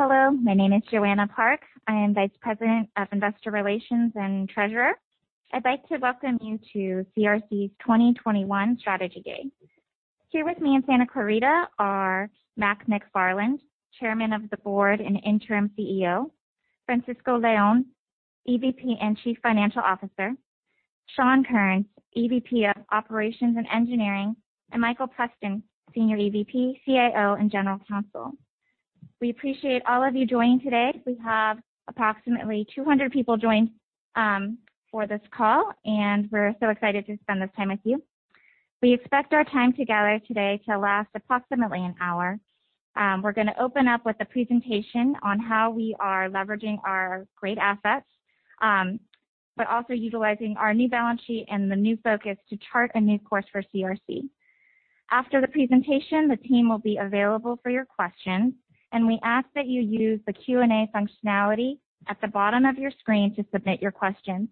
Hello, my name is Joanna Park. I am Vice President of Investor Relations and Treasurer. I'd like to welcome you to CRC's 2021 Strategy Day. Here with me in Santa Clarita are Mac McFarland, Chairman of the Board and Interim CEO, Francisco Leon, EVP and Chief Financial Officer, Shawn Kearns, EVP of Operations and Engineering, and Michael Preston, Senior EVP, CIO, and General Counsel. We appreciate all of you joining today. We have approximately 200 people joined for this call, and we're so excited to spend this time with you. We expect our time together today to last approximately an hour. We're going to open up with a presentation on how we are leveraging our great assets, but also utilizing our new balance sheet and the new focus to chart a new course for CRC. After the presentation, the team will be available for your questions. We ask that you use the Q&A functionality at the bottom of your screen to submit your questions.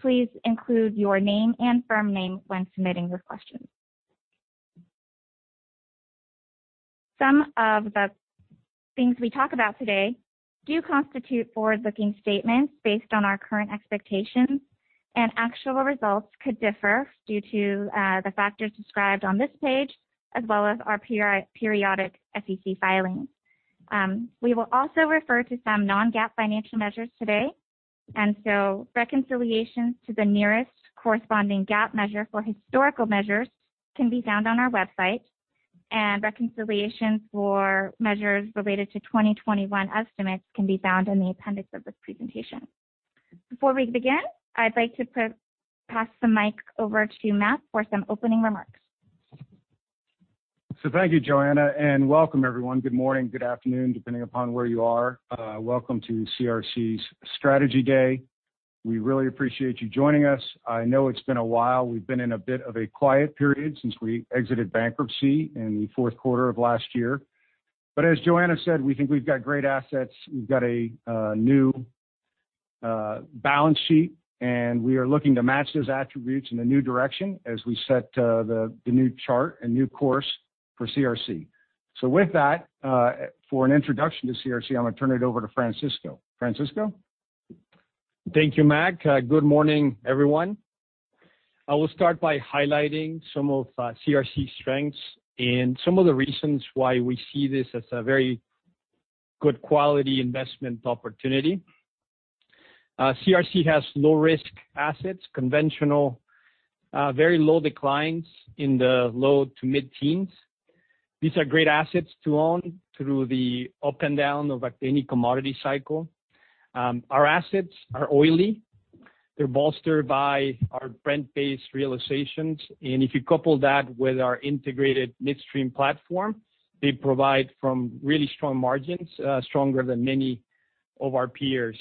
Please include your name and firm name when submitting your questions. Some of the things we talk about today do constitute forward-looking statements based on our current expectations, and actual results could differ due to the factors described on this page, as well as our periodic SEC filings. We will also refer to some non-GAAP financial measures today. Reconciliations to the nearest corresponding GAAP measure for historical measures can be found on our website, and reconciliations for measures related to 2021 estimates can be found in the appendix of this presentation. Before we begin, I'd like to pass the mic over to Mac for some opening remarks. Thank you, Joanna, and welcome everyone. Good morning, good afternoon, depending upon where you are. Welcome to CRC's Strategy Day. We really appreciate you joining us. I know it's been a while. We've been in a bit of a quiet period since we exited bankruptcy in the fourth quarter of last year. As Joanna said, we think we've got great assets. We've got a new balance sheet, and we are looking to match those attributes in a new direction as we set the new chart and new course for CRC. With that, for an introduction to CRC, I'm going to turn it over to Francisco. Francisco? Thank you, Mac. Good morning, everyone. I will start by highlighting some of CRC's strengths and some of the reasons why we see this as a very good quality investment opportunity. CRC has low-risk assets, conventional, very low declines in the low to mid-teens. These are great assets to own through the up and down of any commodity cycle. Our assets are oily. They're bolstered by our Brent-based realizations. If you couple that with our integrated midstream platform, they provide from really strong margins, stronger than many of our peers.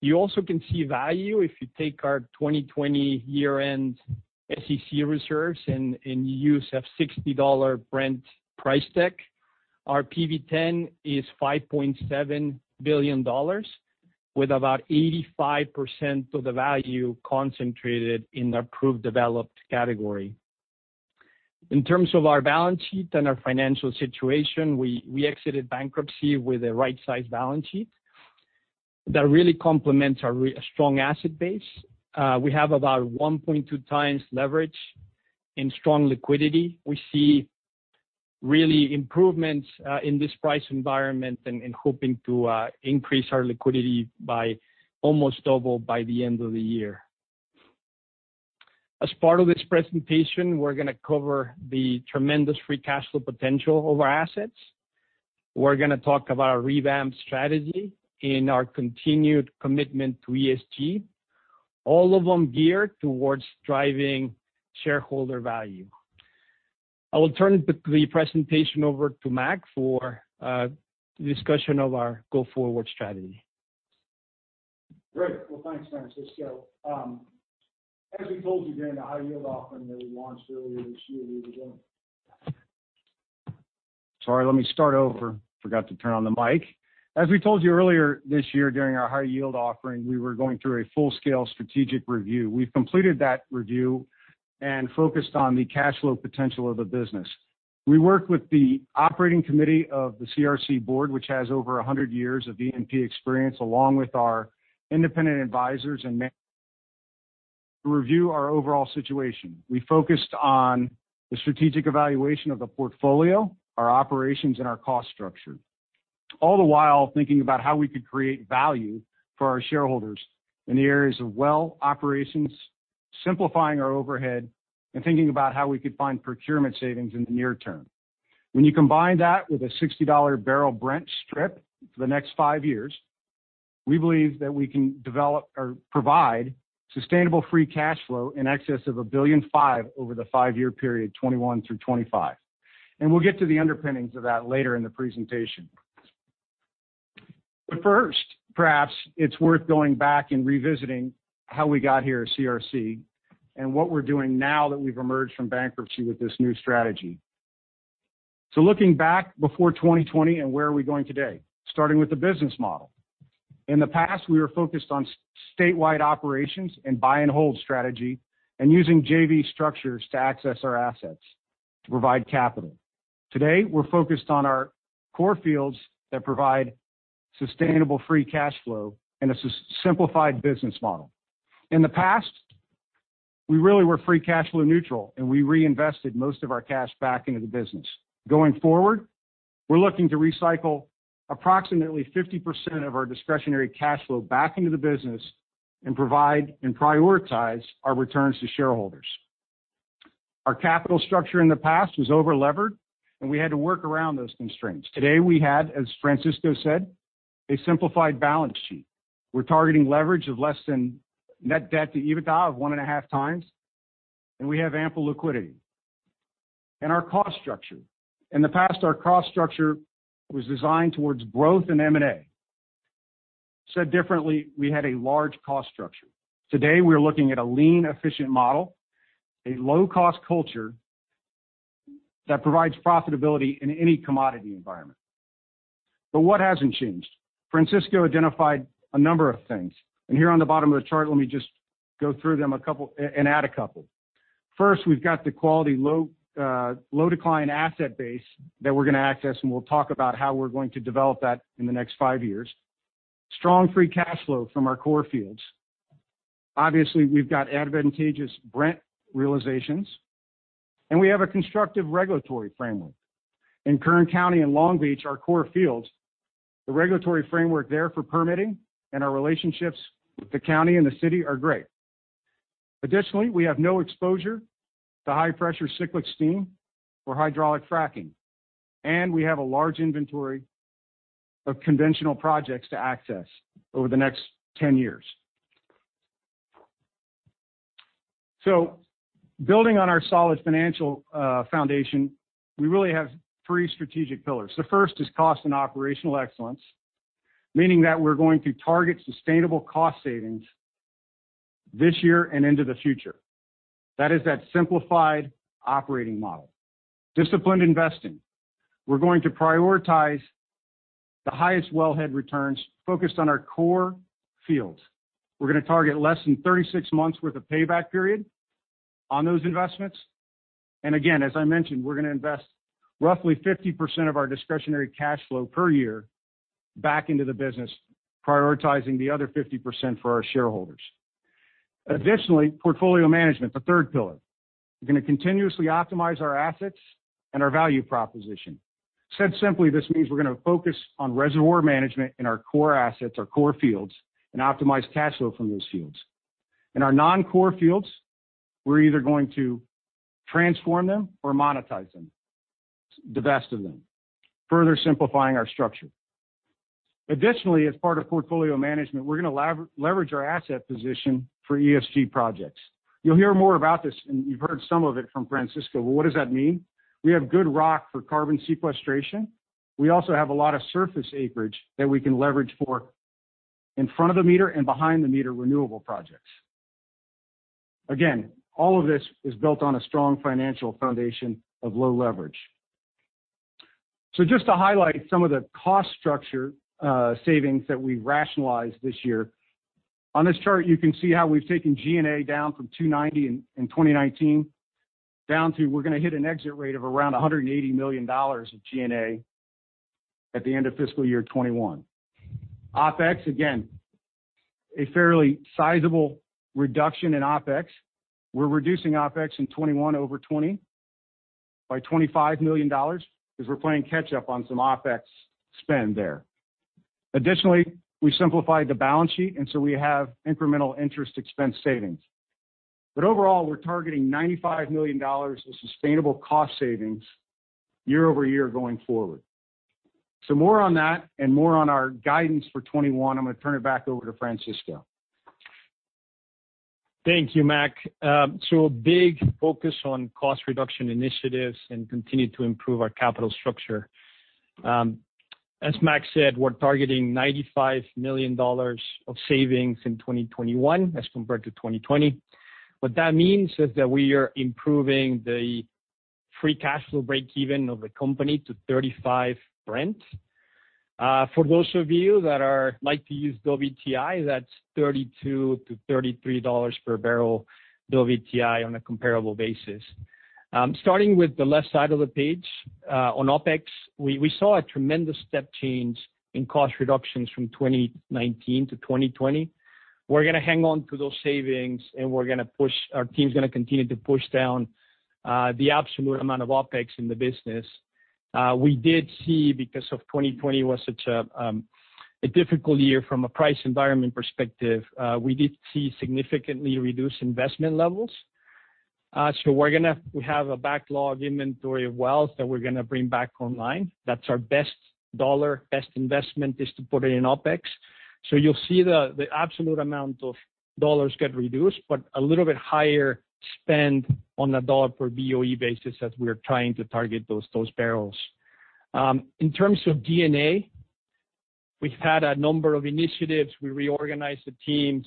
You also can see value if you take our 2020 year-end SEC reserves and use a $60 Brent price deck. Our PV-10 is $5.7 billion, with about 85% of the value concentrated in the a proved developed category. In terms of our balance sheet and our financial situation, we exited bankruptcy with a right-sized balance sheet that really complements our strong asset base. We have about 1.2 times leverage and strong liquidity. We see really improvements in this price environment and hoping to increase our liquidity by almost double by the end of the year. As part of this presentation, we're going to cover the tremendous free cash flow potential of our assets. We're going to talk about our revamped strategy and our continued commitment to ESG, all of them geared towards driving shareholder value. I will turn the presentation over to Mac for a discussion of our go-forward strategy. Great. Well, thanks, Francisco. Sorry, let me start over. Forgot to turn on the mic. As we told you earlier this year during our high yield offering, we were going through a full-scale strategic review. We've completed that review and focused on the cash flow potential of the business. We worked with the operating committee of the CRC board, which has over 100 years of E&P experience, along with our independent advisors to review our overall situation. We focused on the strategic evaluation of the portfolio, our operations, and our cost structure, all the while thinking about how we could create value for our shareholders in the areas of well operations, simplifying our overhead, and thinking about how we could find procurement savings in the near term. When you combine that with a $60 barrel Brent strip for the next five years, we believe that we can develop or provide sustainable free cash flow in excess of $1.5 billion over the five-year period 2021 through 2025. We'll get to the underpinnings of that later in the presentation. First, perhaps it's worth going back and revisiting how we got here at CRC and what we're doing now that we've emerged from bankruptcy with this new strategy. Looking back before 2020 and where are we going today? Starting with the business model. In the past, we were focused on statewide operations and buy and hold strategy, and using JV structures to access our assets to provide capital. Today, we're focused on our core fields that provide sustainable free cash flow and a simplified business model. In the past, we really were free cash flow neutral, and we reinvested most of our cash back into the business. Going forward, we're looking to recycle approximately 50% of our discretionary cash flow back into the business and provide and prioritize our returns to shareholders. Our capital structure in the past was over-levered, and we had to work around those constraints. Today, we had, as Francisco said, a simplified balance sheet. We're targeting leverage of less than net debt to EBITDA of 1.5 times, and we have ample liquidity. Our cost structure. In the past, our cost structure was designed towards growth and M&A. Said differently, we had a large cost structure. Today, we are looking at a lean, efficient model, a low-cost culture that provides profitability in any commodity environment. What hasn't changed? Francisco identified a number of things, and here on the bottom of the chart, let me just go through them and add a couple. First, we've got the quality low decline asset base that we're going to access, and we'll talk about how we're going to develop that in the next 5 years. Strong free cash flow from our core fields. Obviously, we've got advantageous Brent realizations, and we have a constructive regulatory framework. In Kern County and Long Beach, our core fields, the regulatory framework there for permitting and our relationships with the county and the city are great. Additionally, we have no exposure to high-pressure cyclic steam or hydraulic fracking, and we have a large inventory of conventional projects to access over the next 10 years. Building on our solid financial foundation, we really have three strategic pillars. The first is cost and operational excellence, meaning that we're going to target sustainable cost savings this year and into the future. That is that simplified operating model. Disciplined investing. We're going to prioritize the highest wellhead returns focused on our core fields. We're going to target less than 36 months worth of payback period on those investments. Again, as I mentioned, we're going to invest roughly 50% of our discretionary cash flow per year back into the business, prioritizing the other 50% for our shareholders. Additionally, portfolio management, the third pillar. We're going to continuously optimize our assets and our value proposition. Said simply, this means we're going to focus on reservoir management in our core assets, our core fields, and optimize cash flow from those fields. In our non-core fields, we're either going to transform them or monetize them, the best of them, further simplifying our structure. Additionally, as part of portfolio management, we're going to leverage our asset position for ESG projects. You'll hear more about this, and you've heard some of it from Francisco, but what does that mean? We have good rock for carbon sequestration. We also have a lot of surface acreage that we can leverage for in front of the meter and behind the meter renewable projects. Again, all of this is built on a strong financial foundation of low leverage. Just to highlight some of the cost structure savings that we rationalized this year, on this chart, you can see how we've taken G&A down from $290 million in 2019, down to we're going to hit an exit rate of around $180 million of G&A at the end of FY 2021. OPEX, again, a fairly sizable reduction in OPEX. We're reducing OPEX in 2021 over 2020 by $25 million because we're playing catch up on some OPEX spend there. Additionally, we simplified the balance sheet, and so we have incremental interest expense savings. Overall, we're targeting $95 million in sustainable cost savings year-over-year going forward. More on that and more on our guidance for 2021. I'm going to turn it back over to Francisco. Thank you, Mac. A big focus on cost reduction initiatives and continue to improve our capital structure. As Mac said, we're targeting $95 million of savings in 2021 as compared to 2020. What that means is that we are improving the free cash flow break even of the company to 35 Brent. For those of you that like to use WTI, that's $32-$33 per barrel WTI on a comparable basis. Starting with the left side of the page, on OPEX, we saw a tremendous step change in cost reductions from 2019-2020. We're going to hang on to those savings, and our team's going to continue to push down the absolute amount of OPEX in the business. We did see, because of 2020 was such a difficult year from a price environment perspective, we did see significantly reduced investment levels. We have a backlog inventory of wells that we're going to bring back online. That's our best dollar, best investment is to put it in OPEX. You'll see the absolute amount of dollars get reduced, but a little bit higher spend on a dollar per BOE basis as we're trying to target those barrels. In terms of G&A, we've had a number of initiatives. We reorganized the teams.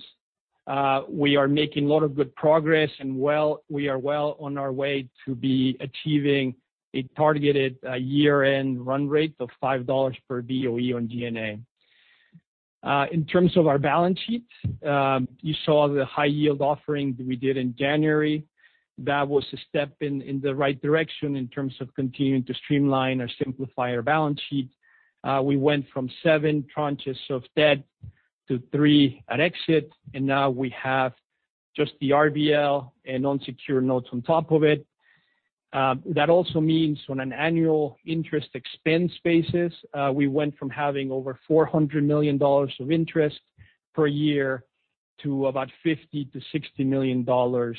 We are making a lot of good progress, and we are well on our way to be achieving a targeted year-end run rate of $5 per BOE on G&A. In terms of our balance sheet, you saw the high yield offering that we did in January. That was a step in the right direction in terms of continuing to streamline or simplify our balance sheet. We went from seven tranches of debt to three at exit. Now we have just the RBL and unsecured notes on top of it. That also means on an annual interest expense basis, we went from having over $400 million of interest per year to about $50 million-$60 million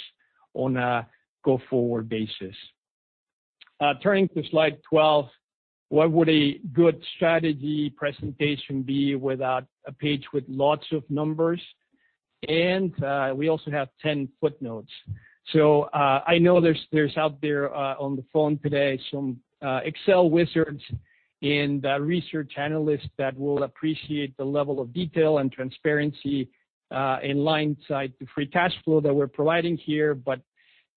on a go-forward basis. Turning to slide 12, what would a good strategy presentation be without a page with lots of numbers? We also have 10 footnotes. I know there's, out there on the phone today, some Excel wizards and research analysts that will appreciate the level of detail and transparency in line side to free cash flow that we're providing here.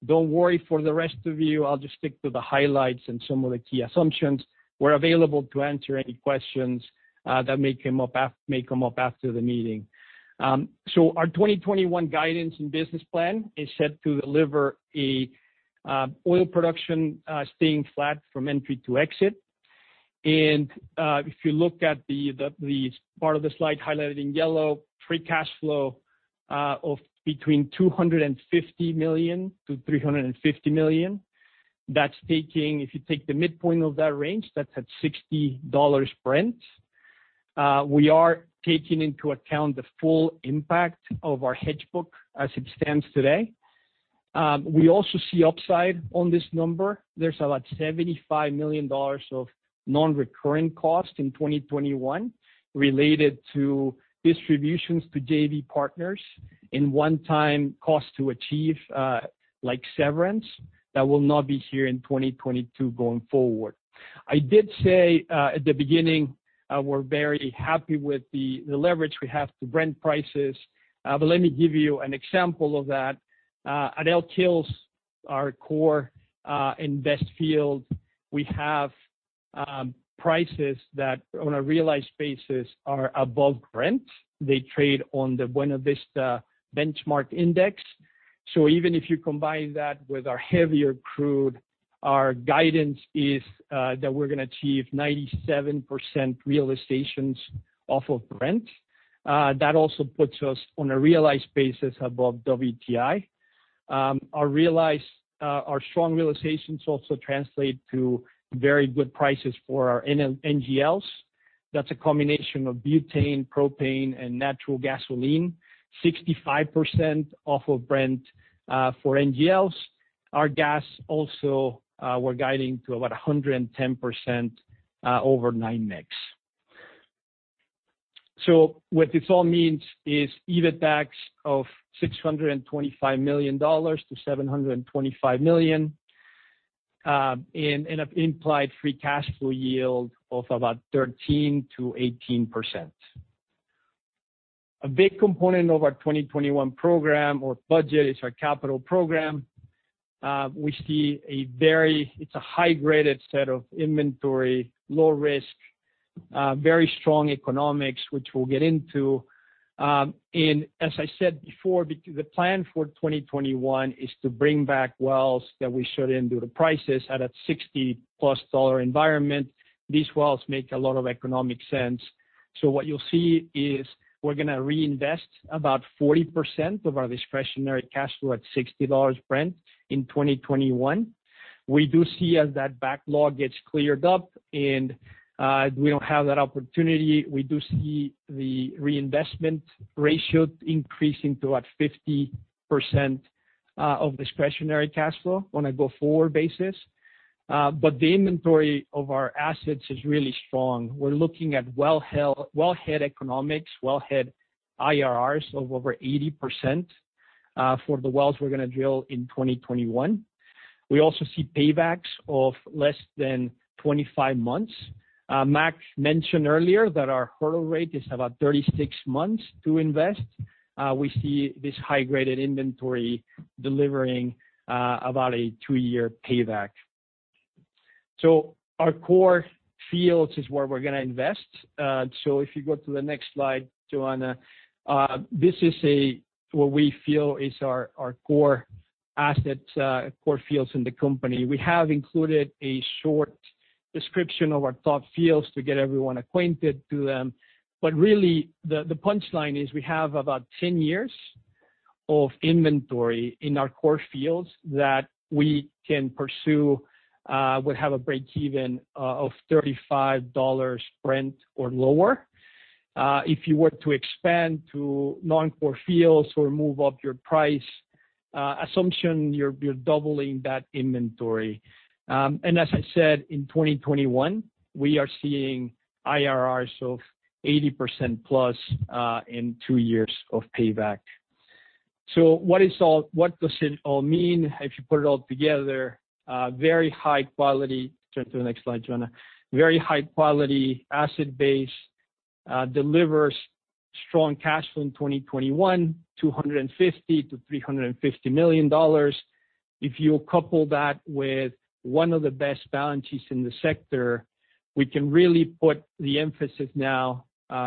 Don't worry for the rest of you, I'll just stick to the highlights and some of the key assumptions. We're available to answer any questions that may come up after the meeting. Our 2021 guidance and business plan is set to deliver a oil production, staying flat from entry to exit. If you look at the part of the slide highlighted in yellow, free cash flow of between $250 million-$350 million. If you take the midpoint of that range, that's at $60 Brent. We are taking into account the full impact of our hedge book as it stands today. We also see upside on this number. There's about $75 million of non-recurring costs in 2021 related to distributions to JV partners and one-time cost to achieve, like severance, that will not be here in 2022 going forward. I did say, at the beginning, we're very happy with the leverage we have to Brent prices. Let me give you an example of that. At Elk Hills, our core, invest field, we have prices that, on a realized basis, are above Brent. They trade on the Buena Vista Benchmark Index. Even if you combine that with our heavier crude, our guidance is that we're going to achieve 97% realizations off of Brent. That also puts us on a realized basis above WTI. Our strong realizations also translate to very good prices for our NGLs. That's a combination of butane, propane, and natural gasoline, 65% off of Brent, for NGLs. Our gas also, we're guiding to about 110%, over NYMEX. What this all means is EBITDAX of $625 million-$725 million, and an implied free cash flow yield of about 13%-18%. A big component of our 2021 program or budget is our capital program. We see it's a high-graded set of inventory, low risk, very strong economics, which we'll get into. As I said before, the plan for 2021 is to bring back wells that we shut in due to prices. At a $60 plus environment, these wells make a lot of economic sense. What you'll see is we're going to reinvest about 40% of our discretionary cash flow at $60 Brent in 2021. We do see as that backlog gets cleared up and we don't have that opportunity, we do see the reinvestment ratio increasing to about 50% of discretionary cash flow on a go-forward basis. The inventory of our assets is really strong. We're looking at wellhead economics, wellhead IRRs of over 80%, for the wells we're going to drill in 2021. We also see paybacks of less than 25 months. Mac mentioned earlier that our hurdle rate is about 36 months to invest. We see this high-graded inventory delivering about a two-year payback. Our core fields is where we're going to invest. If you go to the next slide, Joanna, this is what we feel is our core assets, core fields in the company. We have included a short description of our top fields to get everyone acquainted to them. Really, the punchline is we have about 10 years of inventory in our core fields that we can pursue, would have a breakeven of $35 Brent or lower. If you were to expand to non-core fields or move up your price assumption, you're doubling that inventory. As I said, in 2021, we are seeing IRRs of 80% plus, in two years of payback. What does it all mean if you put it all together? Very high quality. Turn to the next slide, Joanna. Very high-quality asset base delivers strong cash flow in 2021, $250 million-$350 million. If you couple that with one of the best balance sheets in the sector, we can really put the emphasis now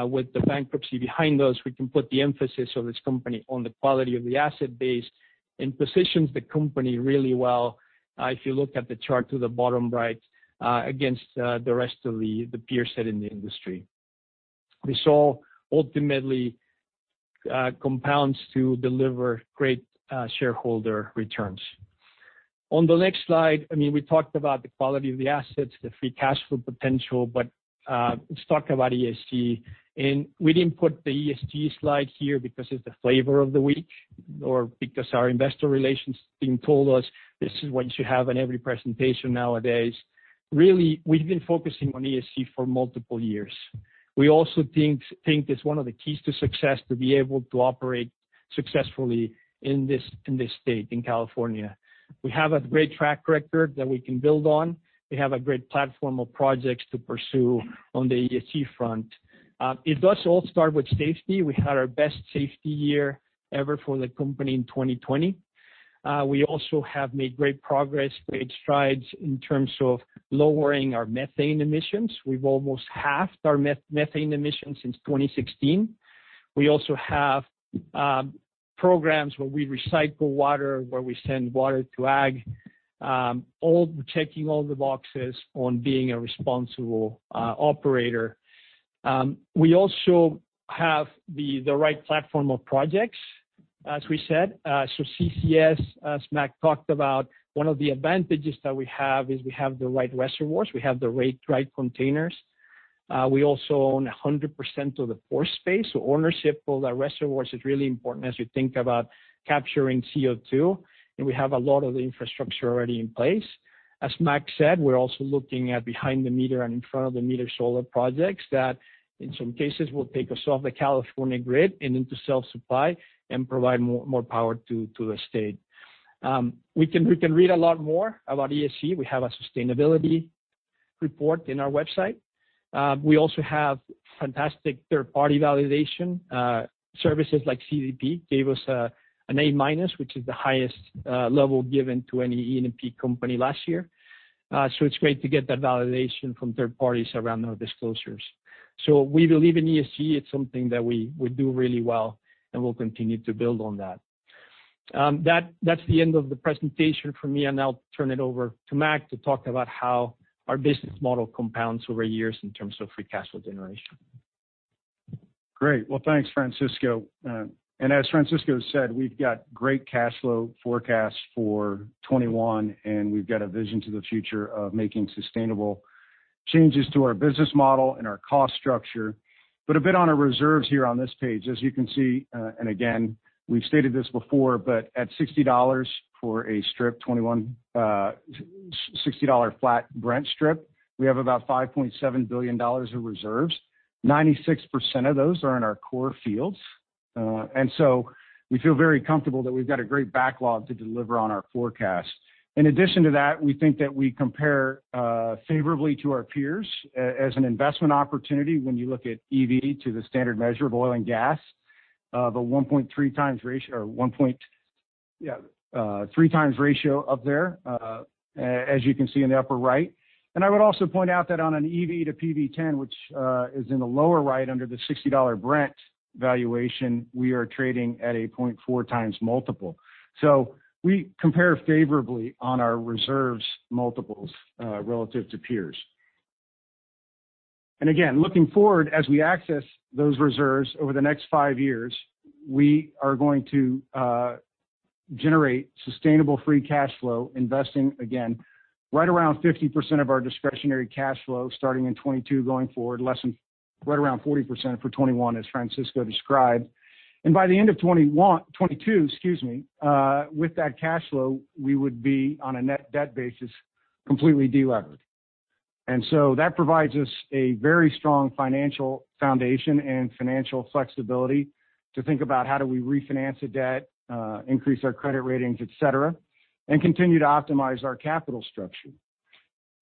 with the bankruptcy behind us, we can put the emphasis of this company on the quality of the asset base and positions the company really well, if you look at the chart to the bottom right, against the rest of the peer set in the industry. This all ultimately compounds to deliver great shareholder returns. On the next slide, we talked about the quality of the assets, the free cash flow potential, but let's talk about ESG. We didn't put the ESG slide here because it's the flavor of the week or because our investor relations team told us this is what you should have in every presentation nowadays. Really, we've been focusing on ESG for multiple years. We also think it's one of the keys to success to be able to operate successfully in this state, in California. We have a great track record that we can build on. We have a great platform of projects to pursue on the ESG front. It does all start with safety. We had our best safety year ever for the company in 2020. We also have made great progress, great strides in terms of lowering our methane emissions. We've almost halved our methane emissions since 2016. We also have programs where we recycle water, where we send water to ag. Checking all the boxes on being a responsible operator. We also have the right platform of projects, as we said. CCS, as Mac talked about, one of the advantages that we have is we have the right reservoirs, we have the right containers. We also own 100% of the pore space. Ownership of the reservoirs is really important as you think about capturing CO2. We have a lot of the infrastructure already in place. As Mac said, we're also looking at behind the meter and in front of the meter solar projects that in some cases will take us off the California grid and into self-supply and provide more power to the state. We can read a lot more about ESG. We have a sustainability report in our website. We also have fantastic third-party validation. Services like CDP gave us an A-minus, which is the highest level given to any E&P company last year. It's great to get that validation from third parties around our disclosures. We believe in ESG. It's something that we do really well, and we'll continue to build on that. That's the end of the presentation for me, and I'll turn it over to Mac to talk about how our business model compounds over years in terms of free cash flow generation. Great. Well, thanks, Francisco. As Francisco said, we've got great cash flow forecasts for 2021, and we've got a vision to the future of making sustainable changes to our business model and our cost structure. A bit on our reserves here on this page. As you can see, and again, we've stated this before, but at $60 for a strip 2021, $60 flat Brent strip, we have about $5.7 billion in reserves. 96% of those are in our core fields. We feel very comfortable that we've got a great backlog to deliver on our forecast. In addition to that, we think that we compare favorably to our peers as an investment opportunity when you look at EV to the standard measure of oil and gas. The 1.3 times ratio up there, as you can see in the upper right. I would also point out that on an EV to PV-10, which is in the lower right under the $60 Brent valuation, we are trading at a 0.4x multiple. We compare favorably on our reserves multiples relative to peers. Again, looking forward, as we access those reserves over the next five years, we are going to generate sustainable free cash flow, investing again, right around 50% of our discretionary cash flow starting in 2022 going forward, right around 40% for 2021, as Francisco described. By the end of 2022, excuse me, with that cash flow, we would be on a net debt basis, completely de-levered. That provides us a very strong financial foundation and financial flexibility to think about how do we refinance the debt, increase our credit ratings, et cetera, and continue to optimize our capital structure.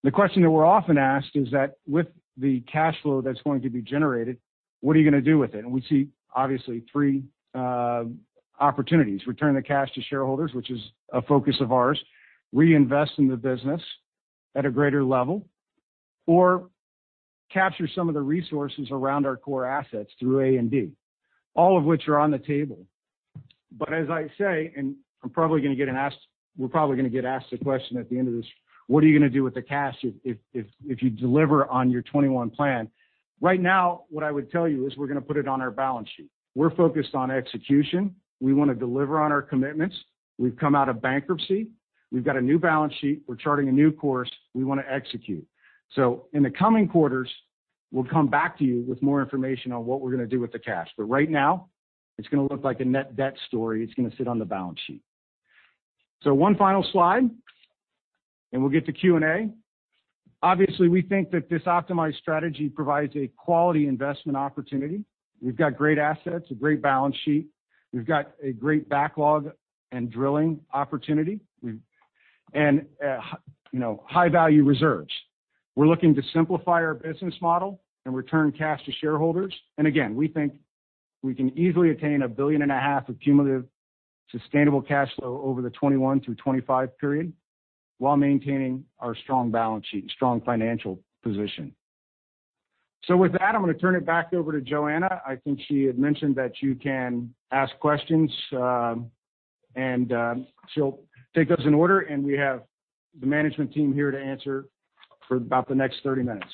The question that we're often asked is that with the cash flow that's going to be generated, what are you going to do with it? We see obviously three opportunities. Return the cash to shareholders, which is a focus of ours, reinvest in the business at a greater level, or capture some of the resources around our core assets through A&D. All of which are on the table. As I say, and we're probably going to get asked the question at the end of this, what are you going to do with the cash if you deliver on your 2021 plan? Right now, what I would tell you is we're going to put it on our balance sheet. We're focused on execution. We want to deliver on our commitments. We've come out of bankruptcy. We've got a new balance sheet. We're charting a new course. We want to execute. In the coming quarters, we'll come back to you with more information on what we're going to do with the cash. Right now, it's going to look like a net debt story. It's going to sit on the balance sheet. One final slide. We'll get to Q&A. Obviously, we think that this optimized strategy provides a quality investment opportunity. We've got great assets, a great balance sheet. We've got a great backlog and drilling opportunity. High-value reserves. We're looking to simplify our business model and return cash to shareholders. Again, we think we can easily attain a billion and a half of cumulative sustainable cash flow over the 2021 through 2025 period, while maintaining our strong balance sheet, strong financial position. With that, I'm going to turn it back over to Joanna. I think she had mentioned that you can ask questions, and she'll take those in order, and we have the management team here to answer for about the next 30 minutes.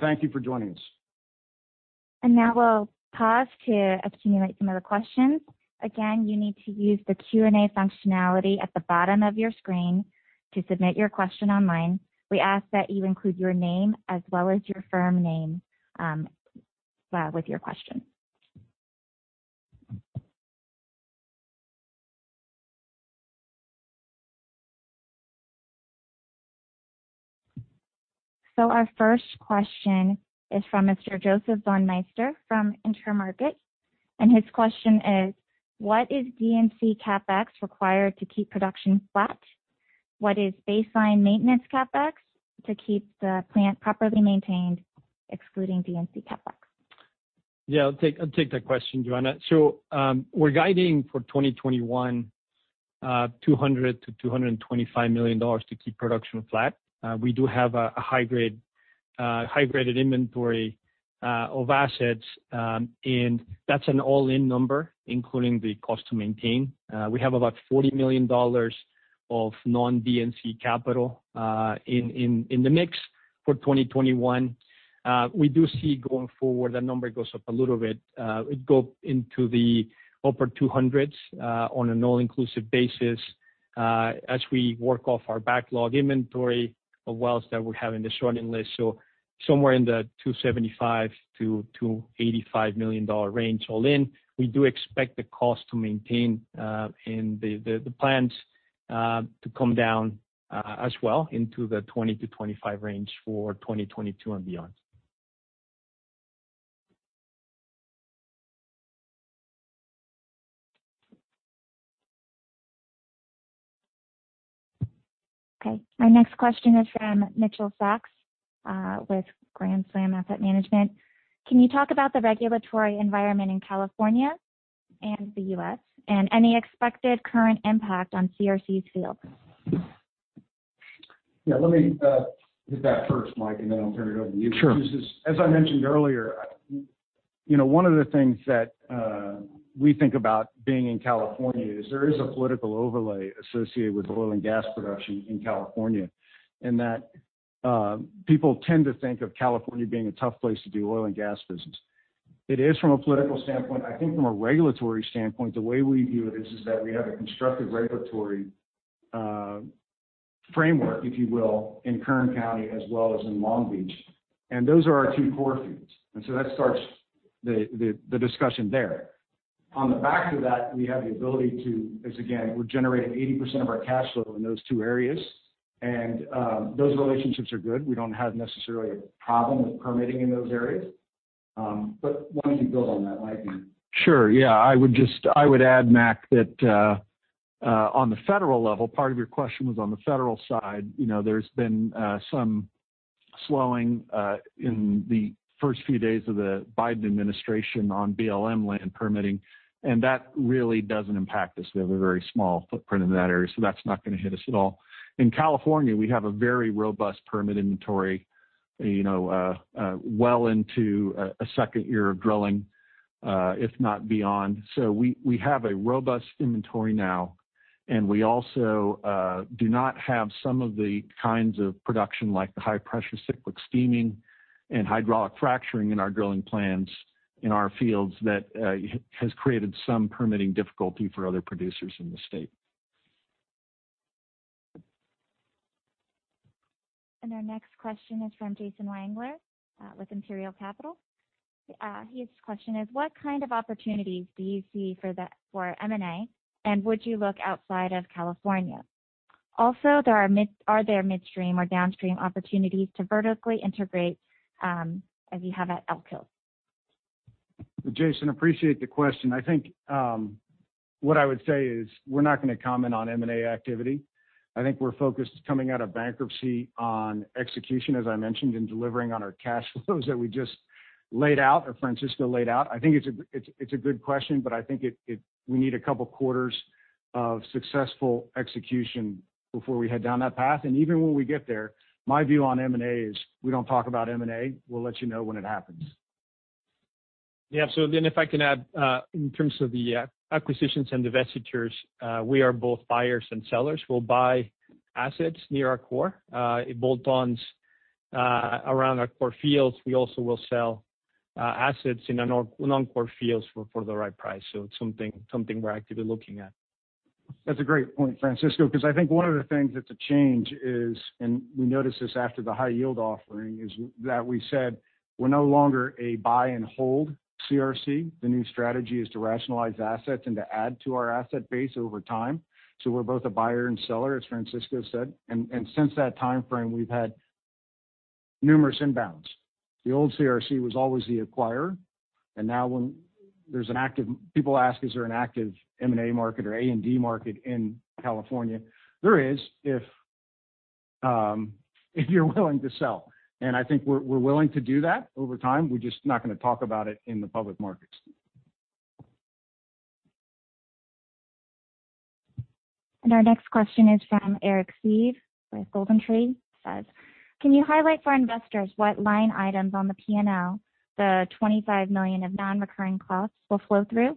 Thank you for joining us. Now we'll pause to accumulate some of the questions. Again, you need to use the Q&A functionality at the bottom of your screen to submit your question online. We ask that you include your name as well as your firm name with your question. Our first question is from Mr. Joseph Von Meister from Intermarket. His question is, "What is D&C CapEx required to keep production flat? What is baseline maintenance CapEx to keep the plant properly maintained, excluding D&C CapEx? Yeah, I'll take that question, Joanna. We're guiding for 2021, $200 million-$225 million to keep production flat. We do have a high-graded inventory of assets, and that's an all-in number, including the cost to maintain. We have about $40 million of non-D&C capital in the mix for 2021. We do see, going forward, that number goes up a little bit. It go into the upper $200s on an all-inclusive basis as we work off our backlog inventory of wells that we have in the short end list. Somewhere in the $275 million-$285 million range all in. We do expect the cost to maintain the plans to come down as well into the $20 million-$25 million range for 2022 and beyond. Okay. Our next question is from Mitchell Sacks with Grand Slam Asset Management. "Can you talk about the regulatory environment in California and the U.S., and any expected current impact on CRC's fields? Yeah, let me hit that first, Mike, and then I'll turn it over to you. Sure. As I mentioned earlier, one of the things that we think about being in California is there is a political overlay associated with oil and gas production in California, in that people tend to think of California being a tough place to do oil and gas business. It is from a political standpoint. I think from a regulatory standpoint, the way we view it is that we have a constructive regulatory framework, if you will, in Kern County as well as in Long Beach. Those are our two core fields. That starts the discussion there. On the back of that, we have the ability to, as again, we're generating 80% of our cash flow in those two areas. Those relationships are good. We don't have necessarily a problem with permitting in those areas. Why don't you build on that, Mike? Sure, yeah. I would add, Mac, that on the federal level, part of your question was on the federal side. There's been some slowing in the first few days of the Biden administration on BLM land permitting. That really doesn't impact us. We have a very small footprint in that area. That's not going to hit us at all. In California, we have a very robust permit inventory well into a second year of drilling, if not beyond. We have a robust inventory now, and we also do not have some of the kinds of production like the high-pressure cyclic steaming and hydraulic fracturing in our drilling plans in our fields that has created some permitting difficulty for other producers in the state. Our next question is from Jason Wangler with Imperial Capital. His question is, "What kind of opportunities do you see for M&A, and would you look outside of California? Also, are there midstream or downstream opportunities to vertically integrate as you have at Elk Hills? Jason, appreciate the question. I think what I would say is we're not going to comment on M&A activity. I think we're focused, coming out of bankruptcy, on execution, as I mentioned, and delivering on our cash flows that we just laid out, or Francisco laid out. I think it's a good question, I think we need a couple of quarters of successful execution before we head down that path. Even when we get there, my view on M&A is we don't talk about M&A. We'll let you know when it happens. Yeah. If I can add, in terms of the acquisitions and divestitures, we are both buyers and sellers. We'll buy assets near our core. It bolt-ons around our core fields. We also will sell assets in our non-core fields for the right price. It's something we're actively looking at. That's a great point, Francisco, because I think one of the things that's a change is, and we noticed this after the high-yield offering, is that we said we're no longer a buy and hold CRC. The new strategy is to rationalize assets and to add to our asset base over time. We're both a buyer and seller, as Francisco said. Since that timeframe, we've had numerous inbounds. The old CRC was always the acquirer. Now when there's an active M&A market or A&D market in California? There is, if you're willing to sell. I think we're willing to do that over time. We're just not going to talk about it in the public markets. Our next question is from Eric Seeve with GoldenTree. It says, "Can you highlight for investors what line items on the P&L the $25 million of non-recurring costs will flow through?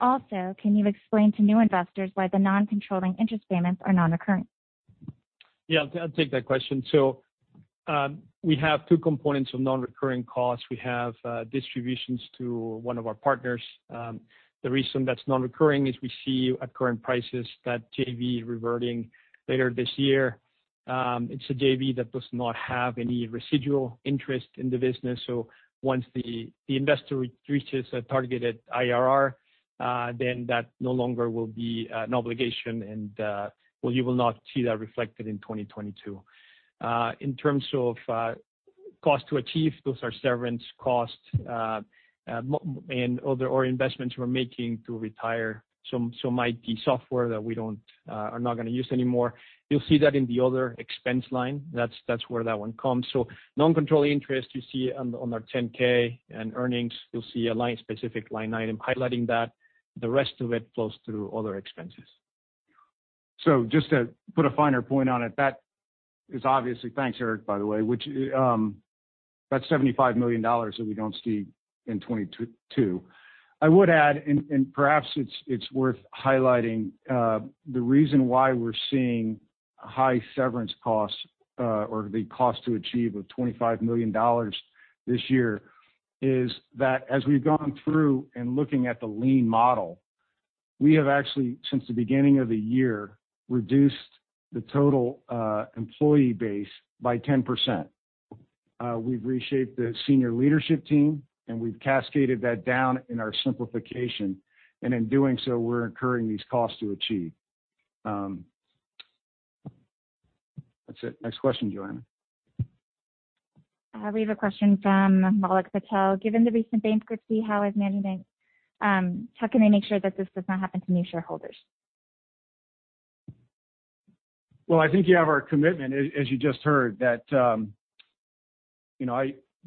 Also, can you explain to new investors why the non-controlling interest payments are non-recurring? I'll take that question. We have two components of non-recurring costs. We have distributions to one of our partners. The reason that's non-recurring is we see at current prices that JV reverting later this year. It's a JV that does not have any residual interest in the business. Once the investor reaches a targeted IRR, that no longer will be an obligation, and you will not see that reflected in 2022. In terms of cost to achieve, those are severance costs, and other investments we're making to retire some IT software that we are not going to use anymore. You'll see that in the other expense line. That's where that one comes. Non-controlling interest you see on our 10-K and earnings, you'll see a specific line item highlighting that. The rest of it flows through other expenses. Just to put a finer point on it, that is obviously thanks, Eric, by the way, that's $75 million that we don't see in 2022. I would add, and perhaps it's worth highlighting, the reason why we're seeing high severance costs, or the cost to achieve of $25 million this year is that as we've gone through and looking at the lean model, we have actually, since the beginning of the year, reduced the total employee base by 10%. We've reshaped the senior leadership team, and we've cascaded that down in our simplification. In doing so, we're incurring these costs to achieve. That's it. Next question, Joanna. We have a question from Malik Patel. "Given the recent bankruptcy, how can they make sure that this does not happen to new shareholders? Well, I think you have our commitment, as you just heard, that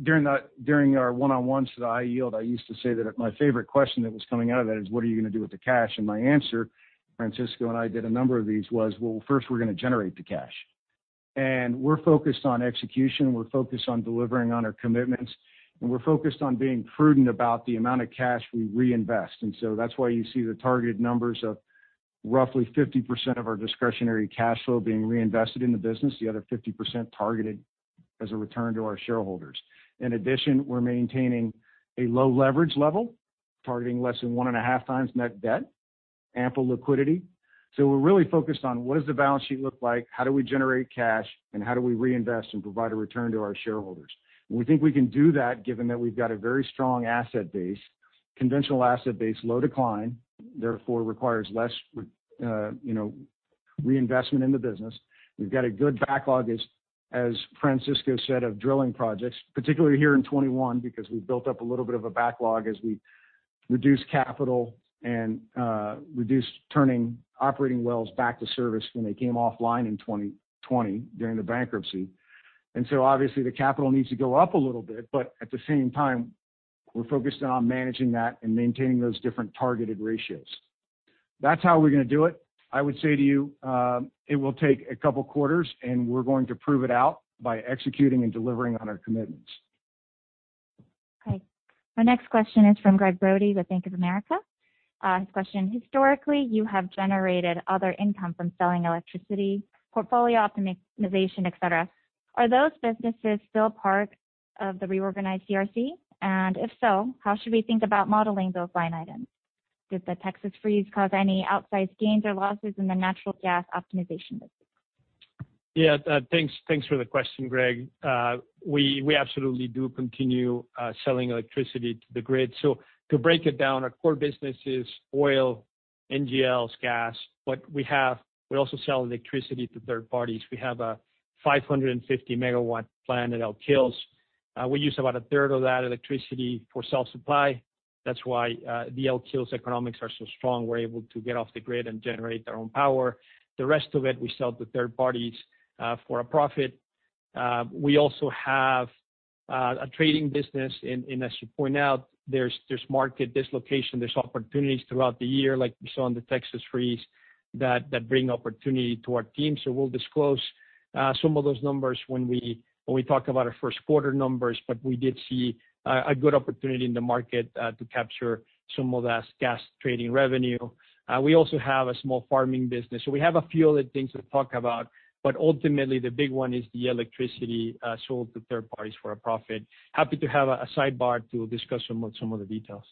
during our one-on-ones at High Yield, I used to say that my favorite question that was coming out of that is, what are you going to do with the cash? My answer, Francisco and I did a number of these, was, well, first we're going to generate the cash. We're focused on execution, we're focused on delivering on our commitments, and we're focused on being prudent about the amount of cash we reinvest. That's why you see the targeted numbers of roughly 50% of our discretionary cash flow being reinvested in the business, the other 50% targeted as a return to our shareholders. In addition, we're maintaining a low leverage level, targeting less than one and a half times net debt, ample liquidity. We're really focused on what does the balance sheet look like, how do we generate cash, and how do we reinvest and provide a return to our shareholders. We think we can do that given that we've got a very strong asset base, conventional asset base, low decline, therefore requires less reinvestment in the business. We've got a good backlog, as Francisco said, of drilling projects, particularly here in 2021, because we built up a little bit of a backlog as we reduced capital and reduced turning operating wells back to service when they came offline in 2020 during the bankruptcy. Obviously the capital needs to go up a little bit, but at the same time, we're focused on managing that and maintaining those different targeted ratios. That's how we're going to do it. I would say to you, it will take a couple quarters, and we're going to prove it out by executing and delivering on our commitments. Okay. Our next question is from Gregg Brody with Bank of America. His question: Historically, you have generated other income from selling electricity, portfolio optimization, et cetera. Are those businesses still part of the reorganized CRC? If so, how should we think about modeling those line items? Did the Texas freeze cause any outsized gains or losses in the natural gas optimization business? Yeah, thanks for the question, Gregg. We absolutely do continue selling electricity to the grid. To break it down, our core business is oil, NGLs, gas, but we also sell electricity to third parties. We have a 550-megawatt plant at Elk Hills. We use about a third of that electricity for self-supply. That's why the Elk Hills economics are so strong. We're able to get off the grid and generate our own power. The rest of it, we sell to third parties for a profit. We also have a trading business, and as you point out, there's market dislocation. There's opportunities throughout the year, like we saw in the Texas freeze, that bring opportunity to our team. We'll disclose some of those numbers when we talk about our first quarter numbers, but we did see a good opportunity in the market to capture some of that gas trading revenue. We also have a small farming business. We have a few other things to talk about, but ultimately the big one is the electricity sold to third parties for a profit. Happy to have a sidebar to discuss some of the details.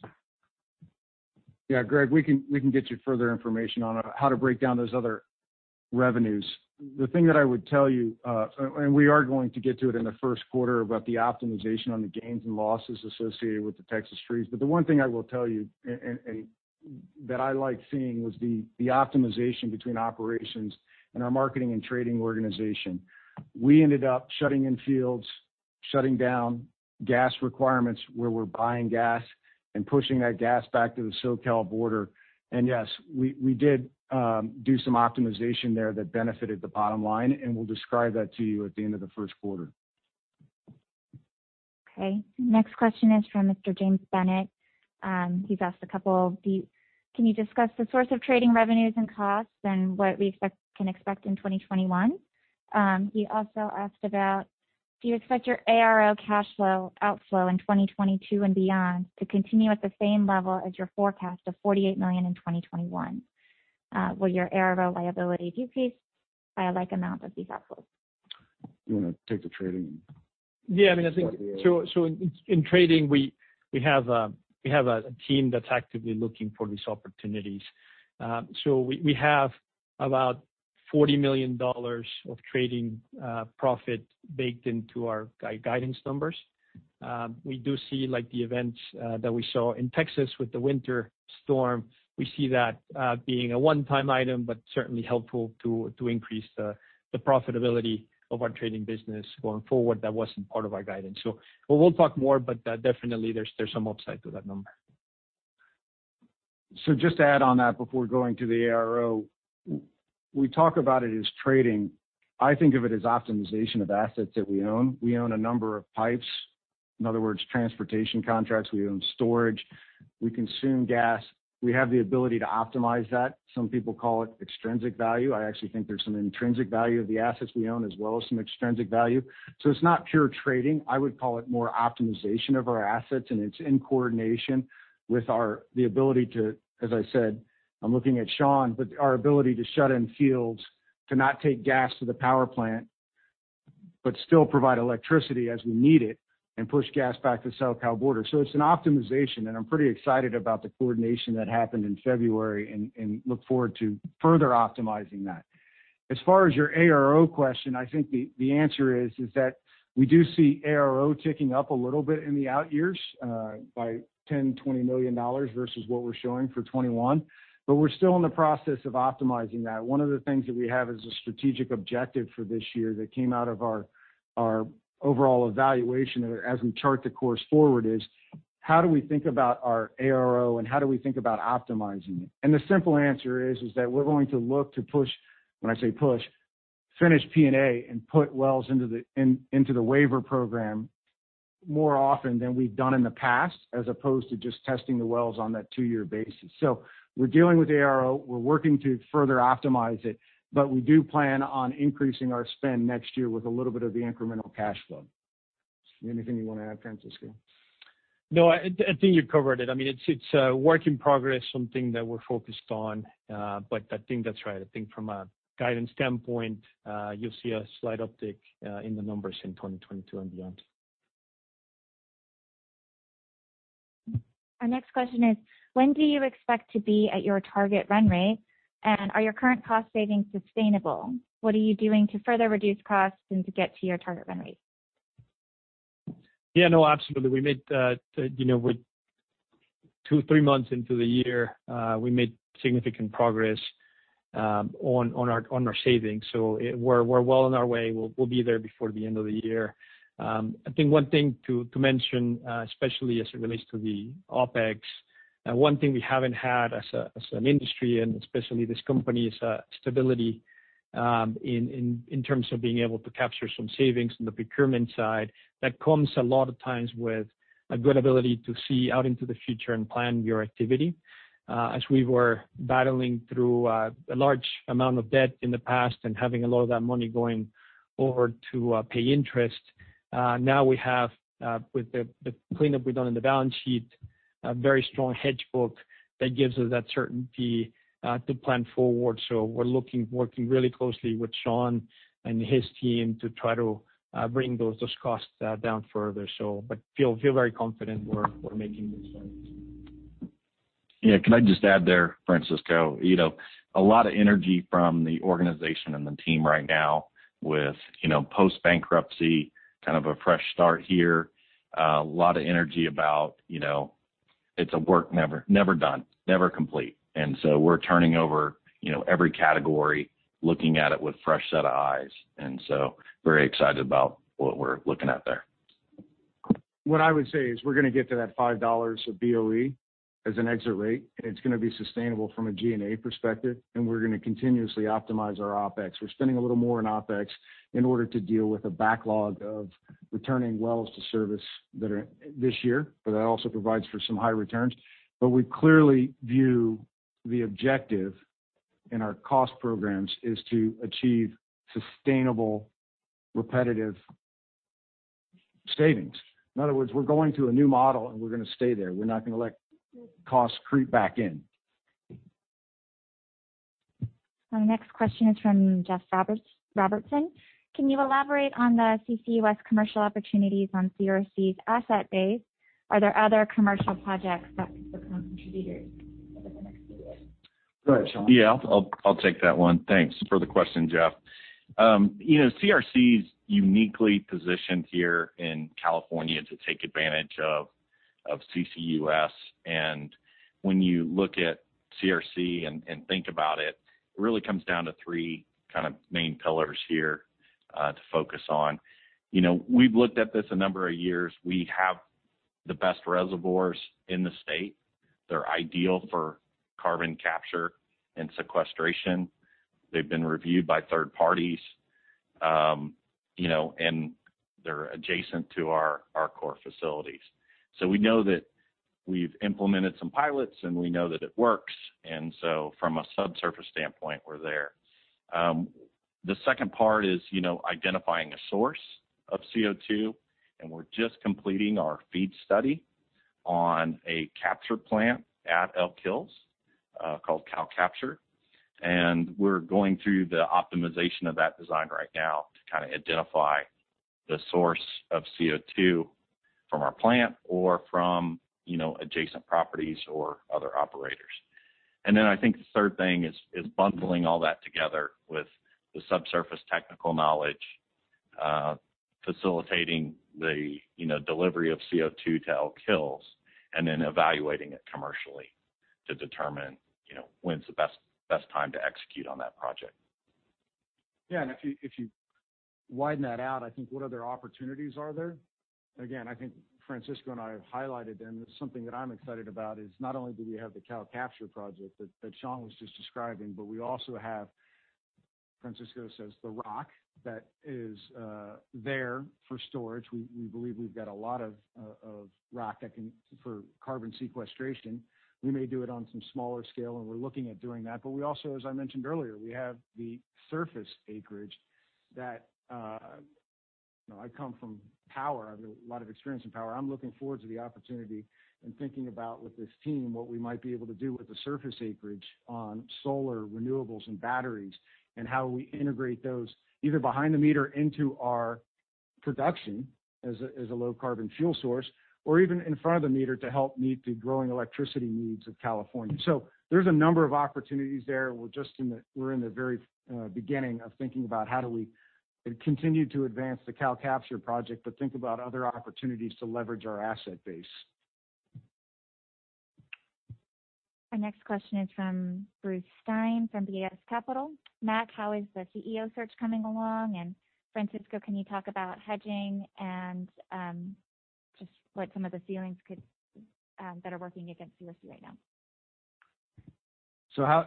Yeah, Gregg, we can get you further information on how to break down those other revenues. The thing that I would tell you, and we are going to get to it in the first quarter about the optimization on the gains and losses associated with the Texas freeze. The one thing I will tell you, and that I like seeing, was the optimization between operations and our marketing and trading organization. We ended up Shutting down gas requirements where we're buying gas and pushing that gas back to the SoCal border. yes, we did do some optimization there that benefited the bottom line, and we'll describe that to you at the end of the first quarter. Okay. Next question is from Mr. James Bennett. He's asked a couple. Can you discuss the source of trading revenues and costs and what we can expect in 2021? He also asked about, do you expect your ARO cash flow outflow in 2022 and beyond to continue at the same level as your forecast of $48 million in 2021? Will your ARO liability decrease by a like amount of these outflows? You want to take the trading and... In trading, we have a team that's actively looking for these opportunities. We have about $40 million of trading profit baked into our guidance numbers. We do see the events that we saw in Texas with the winter storm. We see that being a one-time item, but certainly helpful to increase the profitability of our trading business going forward. That wasn't part of our guidance. We'll talk more, but definitely there's some upside to that number. Just to add on that before going to the ARO, we talk about it as trading. I think of it as optimization of assets that we own. We own a number of pipes, in other words, transportation contracts. We own storage. We consume gas. We have the ability to optimize that. Some people call it extrinsic value. I actually think there's some intrinsic value of the assets we own as well as some extrinsic value. It's not pure trading. I would call it more optimization of our assets, and it's in coordination with the ability to, as I said, I'm looking at Shawn, but our ability to shut in fields, to not take gas to the power plant, but still provide electricity as we need it and push gas back to the SoCal border. It's an optimization, and I'm pretty excited about the coordination that happened in February and look forward to further optimizing that. As far as your ARO question, I think the answer is that we do see ARO ticking up a little bit in the out years, by $10 million, $20 million versus what we're showing for 2021. We're still in the process of optimizing that. One of the things that we have as a strategic objective for this year that came out of our overall evaluation as we chart the course forward is how do we think about our ARO and how do we think about optimizing it? The simple answer is that we're going to look to push, when I say push, finish P&A and put wells into the waiver program more often than we've done in the past, as opposed to just testing the wells on that two-year basis. We're dealing with ARO. We're working to further optimize it, but we do plan on increasing our spend next year with a little bit of the incremental cash flow. Anything you want to add, Francisco? No, I think you covered it. It's a work in progress, something that we're focused on. I think that's right. From a guidance standpoint, you'll see a slight uptick in the numbers in 2022 and beyond. Our next question is: when do you expect to be at your target run rate, and are your current cost savings sustainable? What are you doing to further reduce costs and to get to your target run rate? Yeah, no, absolutely. We're two, three months into the year. We made significant progress on our savings. We're well on our way. We'll be there before the end of the year. I think one thing to mention, especially as it relates to the OpEx, one thing we haven't had as an industry and especially this company, is stability in terms of being able to capture some savings on the procurement side. That comes a lot of times with a good ability to see out into the future and plan your activity. As we were battling through a large amount of debt in the past and having a lot of that money going over to pay interest, now we have with the cleanup we've done in the balance sheet, a very strong hedge book that gives us that certainty to plan forward. We're looking, working really closely with Shawn and his team to try to bring those costs down further. Feel very confident we're making good progress. Yeah. Can I just add there, Francisco, a lot of energy from the organization and the team right now with post-bankruptcy, kind of a fresh start here, a lot of energy about its work never done, never complete. We're turning over every category, looking at it with fresh set of eyes, and so very excited about what we're looking at there. What I would say is we're going to get to that $5 of BOE as an exit rate, and it's going to be sustainable from a G&A perspective, and we're going to continuously optimize our OpEx. We're spending a little more on OpEx in order to deal with a backlog of returning wells to service this year, but that also provides for some high returns. But we clearly view the objective in our cost programs is to achieve sustainable, repetitive savings. In other words, we're going to a new model, and we're going to stay there. We're not going to let cost creep back in. Our next question is from Jeff Robertson. Can you elaborate on the CCUS commercial opportunities on CRC's asset base? Are there other commercial projects that could become contributors over the next few years? Go ahead, Shawn. Yeah. I'll take that one. Thanks for the question, Jeff. CRC's uniquely positioned here in California to take advantage of CCUS. When you look at CRC and think about it really comes down to three main pillars here to focus on. We've looked at this a number of years. We have the best reservoirs in the state. They're ideal for carbon capture and sequestration. They've been reviewed by third parties. They're adjacent to our core facilities. We know that we've implemented some pilots, and we know that it works. From a subsurface standpoint, we're there. The second part is identifying a source of CO2, and we're just completing our FEED study on a capture plant at Elk Hills, called CalCapture. We're going through the optimization of that design right now to identify the source of CO2 from our plant or from adjacent properties or other operators. I think the third thing is bundling all that together with the subsurface technical knowledge, facilitating the delivery of CO2 to Elk Hills, evaluating it commercially to determine when's the best time to execute on that project. Yeah. If you widen that out, I think what other opportunities are there? Again, I think Francisco and I have highlighted, and something that I'm excited about is not only do we have the CalCapture project that Shawn was just describing, but we also have, Francisco says, the rock that is there for storage. We believe we've got a lot of rock for carbon sequestration. We may do it on some smaller scale, and we're looking at doing that. We also, as I mentioned earlier, we have the surface acreage that-- I come from power. I have a lot of experience in power. I'm looking forward to the opportunity and thinking about with this team what we might be able to do with the surface acreage on solar, renewables, and batteries, and how we integrate those, either behind the meter into our production as a low carbon fuel source, or even in front of the meter to help meet the growing electricity needs of California. There's a number of opportunities there. We're in the very beginning of thinking about how do we continue to advance the CalCapture project, but think about other opportunities to leverage our asset base. Our next question is from Bruce Stein from BAS Capital. Mac, how is the CEO search coming along? Francisco, can you talk about hedging and just what some of the ceilings that are working against CRC right now?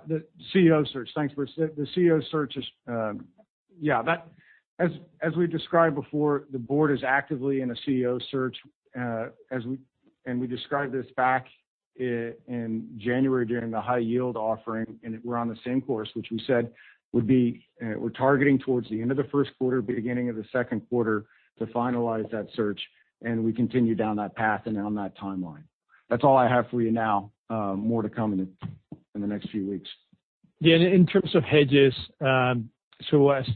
The CEO search. Thanks, Bruce. The CEO search. As we described before, the board is actively in a CEO search. We described this back in January during the high yield offering, and we're on the same course, which we said would be we're targeting towards the end of the first quarter, beginning of the second quarter to finalize that search, and we continue down that path and on that timeline. That's all I have for you now. More to come in the next few weeks. In terms of hedges,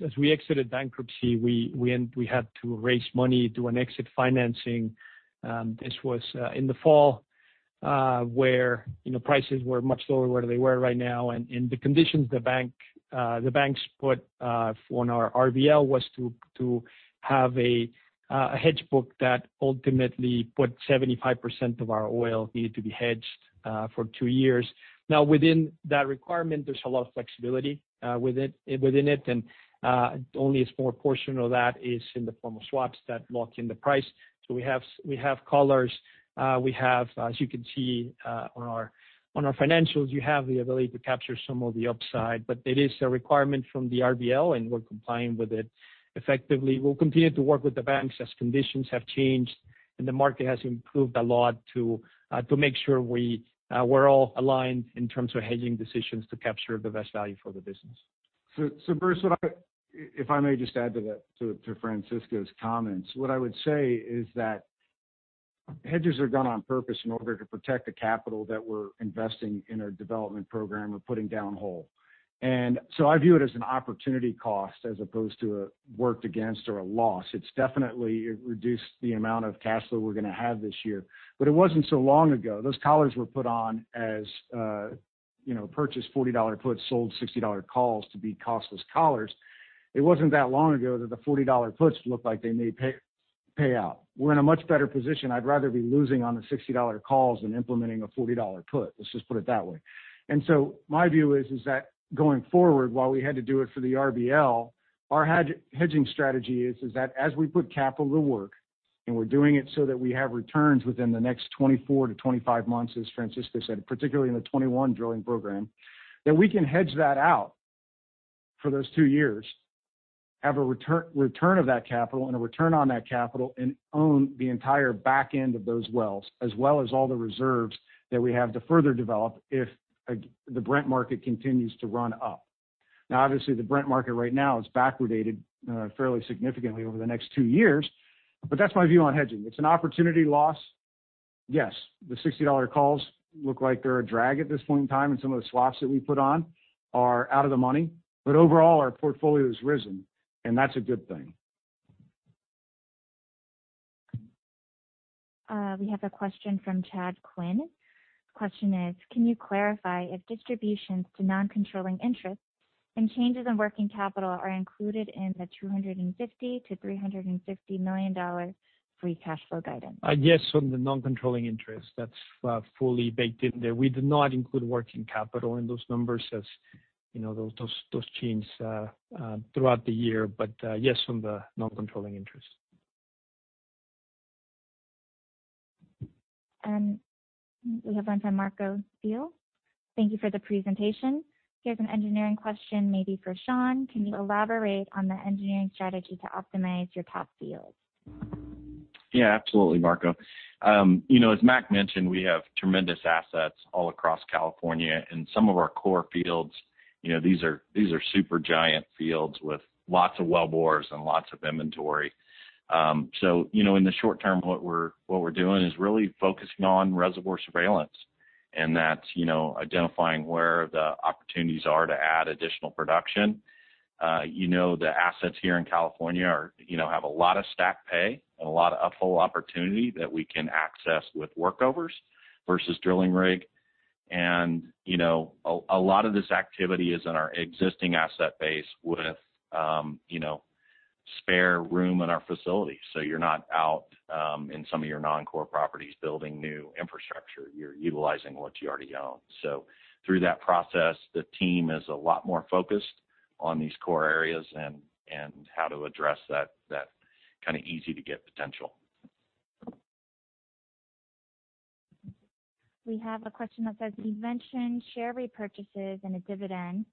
as we exited bankruptcy, we had to raise money, do an exit financing. This was in the fall, where prices were much lower where they were right now, and the conditions the banks put on our RBL was to have a hedge book that ultimately put 75% of our oil needed to be hedged for two years. Within that requirement, there's a lot of flexibility within it, and only a small portion of that is in the form of swaps that lock in the price. We have collars, as you can see on our financials, you have the ability to capture some of the upside. It is a requirement from the RBL, and we're complying with it effectively. We'll continue to work with the banks as conditions have changed, and the market has improved a lot to make sure we're all aligned in terms of hedging decisions to capture the best value for the business. Bruce, if I may just add to that, to Francisco's comments. What I would say is that hedges are done on purpose in order to protect the capital that we're investing in our development program or putting downwhole. I view it as an opportunity cost as opposed to a worked against or a loss. It's definitely reduced the amount of cash flow we're going to have this year. It wasn't so long ago. Those collars were put on as purchased $40 puts, sold $60 calls to be costless collars. It wasn't that long ago that the $40 puts looked like they may pay out. We're in a much better position. I'd rather be losing on the $60 calls than implementing a $40 put. Let's just put it that way. My view is that going forward, while we had to do it for the RBL, our hedging strategy is that as we put capital to work, and we're doing it so that we have returns within the next 24 to 25 months, as Francisco said, particularly in the 2021 drilling program, that we can hedge that out for those two years, have a return of that capital and a return on that capital, and own the entire back end of those wells, as well as all the reserves that we have to further develop if the Brent market continues to run up. Obviously, the Brent market right now is backwardated fairly significantly over the next two years. That's my view on hedging. It's an opportunity loss. Yes, the $60 calls look like they're a drag at this point in time, and some of the swaps that we put on are out of the money. Overall, our portfolio has risen, and that's a good thing. We have a question from Chad Quinn. Question is, can you clarify if distributions to non-controlling interests and changes in working capital are included in the $250 million-$350 million free cash flow guidance? Yes, from the non-controlling interest. That's fully baked in there. We did not include working capital in those numbers, as those change throughout the year. Yes, from the non-controlling interest. We have one from Marco Field. Thank you for the presentation. Here's an engineering question maybe for Shawn. Can you elaborate on the engineering strategy to optimize your top fields? Yeah, absolutely, Marco. As Mac mentioned, we have tremendous assets all across California. Some of our core fields, these are super giant fields with lots of wellbores and lots of inventory. In the short term, what we're doing is really focusing on reservoir surveillance. That's identifying where the opportunities are to add additional production. The assets here in California have a lot of stacked pay and a lot of up-hole opportunity that we can access with workovers versus drilling rig. A lot of this activity is in our existing asset base with spare room in our facility. You're not out in some of your non-core properties building new infrastructure. You're utilizing what you already own. Through that process, the team is a lot more focused on these core areas and how to address that kind of easy-to-get potential. We have a question that says you mentioned share repurchases and a dividend.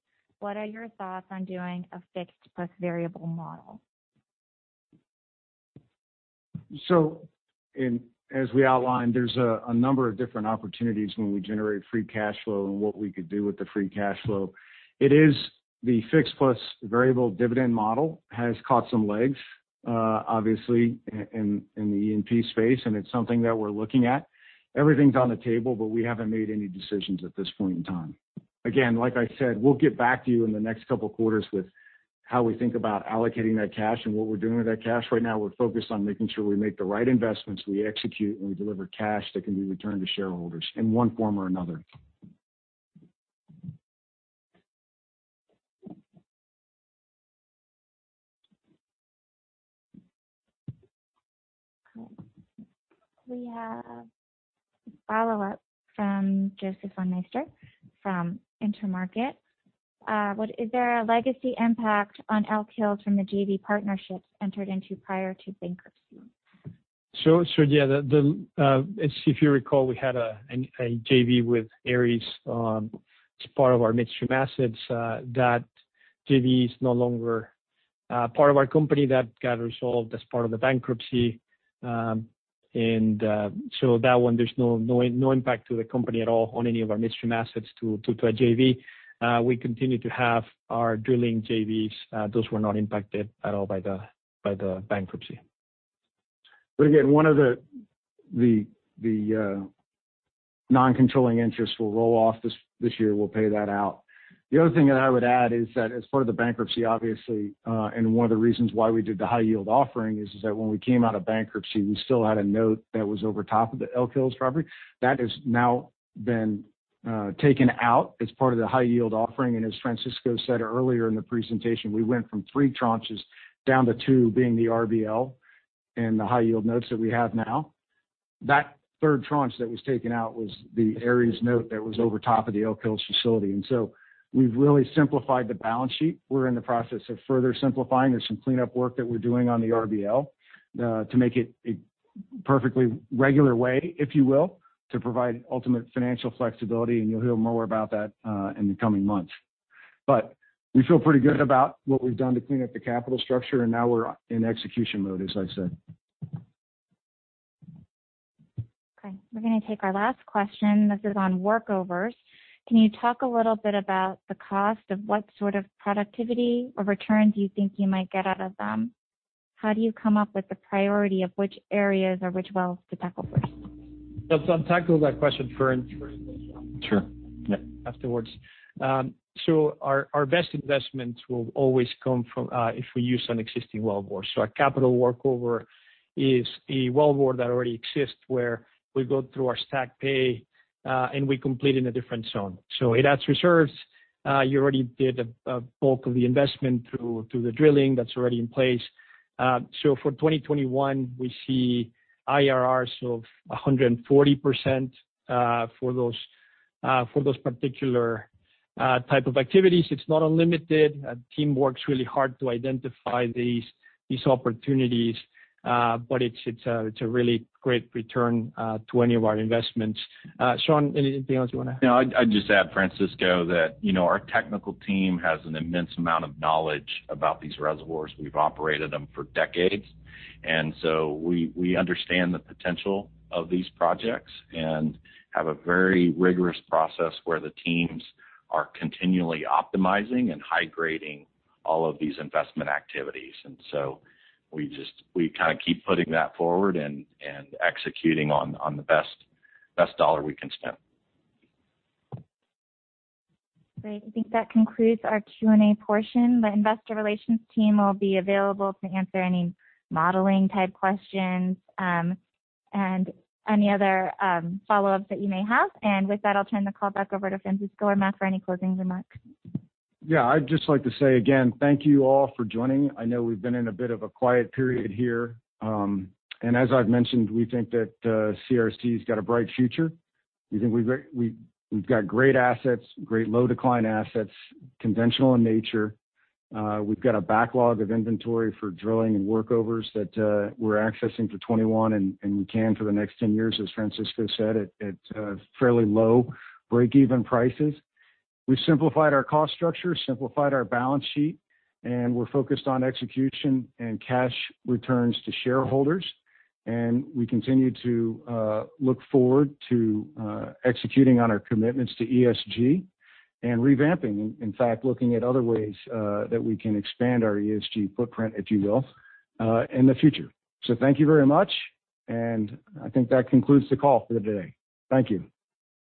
What are your thoughts on doing a fixed plus variable model? As we outlined, there's a number of different opportunities when we generate free cash flow and what we could do with the free cash flow. The fixed plus variable dividend model has caught some legs, obviously, in the E&P space, and it's something that we're looking at. Everything's on the table, but we haven't made any decisions at this point in time. Again, like I said, we'll get back to you in the next couple of quarters with how we think about allocating that cash and what we're doing with that cash. Right now, we're focused on making sure we make the right investments, we execute, and we deliver cash that can be returned to shareholders in one form or another. Okay. We have a follow-up from Joseph Von Meister from Intermarket. Is there a legacy impact on Elk Hills from the JV partnerships entered into prior to bankruptcy? Yeah. If you recall, we had a JV with Ares as part of our midstream assets. That JV is no longer part of our company. That got resolved as part of the bankruptcy. That one, there's no impact to the company at all on any of our midstream assets to a JV. We continue to have our drilling JVs. Those were not impacted at all by the bankruptcy. Again, one of the non-controlling interests will roll off this year. We'll pay that out. The other thing that I would add is that as part of the bankruptcy, obviously, and one of the reasons why we did the high-yield offering is that when we came out of bankruptcy, we still had a note that was over top of the Elk Hills property. That has now been taken out as part of the high-yield offering. As Francisco said earlier in the presentation, we went from three tranches down to two, being the RBL and the high-yield notes that we have now. That third tranche that was taken out was the Ares note that was over top of the Elk Hills facility. So we've really simplified the balance sheet. We're in the process of further simplifying. There's some cleanup work that we're doing on the RBL to make it a perfectly regular way, if you will, to provide ultimate financial flexibility. You'll hear more about that in the coming months. We feel pretty good about what we've done to clean up the capital structure, and now we're in execution mode, as I said. Okay, we're going to take our last question. This is on workovers. Can you talk a little bit about the cost of what sort of productivity or return do you think you might get out of them? How do you come up with the priority of which areas or which wells to tackle first? I'll tackle that question first. Sure Afterwards. Our best investments will always come if we use an existing wellbore. A capital workover is a wellbore that already exists where we go through our stack pay, and we complete in a different zone. It adds reserves. You already did a bulk of the investment through the drilling that's already in place. For 2021, we see IRRs of 140% for those particular type of activities. It's not unlimited. Team works really hard to identify these opportunities. It's a really great return to any of our investments. Shawn, anything else you want to add? No. I'd just add, Francisco, that our technical team has an immense amount of knowledge about these reservoirs. We've operated them for decades. We understand the potential of these projects and have a very rigorous process where the teams are continually optimizing and high-grading all of these investment activities. We kind of keep putting that forward and executing on the best dollar we can spend. Great. I think that concludes our Q&A portion. The investor relations team will be available to answer any modeling-type questions, and any other follow-ups that you may have. With that, I'll turn the call back over to Francisco or Mac for any closing remarks. Yeah. I'd just like to say again, thank you all for joining. I know we've been in a bit of a quiet period here. As I've mentioned, we think that CRC has got a bright future. We think we've got great assets, great low-decline assets, conventional in nature. We've got a backlog of inventory for drilling and workovers that we're accessing for 2021, and we can for the next 10 years, as Francisco said, at fairly low breakeven prices. We've simplified our cost structure, simplified our balance sheet, we're focused on execution and cash returns to shareholders. We continue to look forward to executing on our commitments to ESG and revamping, in fact, looking at other ways that we can expand our ESG footprint, if you will, in the future. Thank you very much, I think that concludes the call for the day. Thank you.